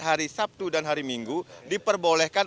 hari sabtu dan hari minggu diperbolehkan